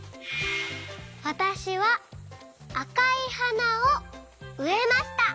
わたしはあかいはなをうえました。